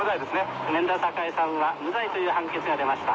免田栄さんが無罪という判決が出ました。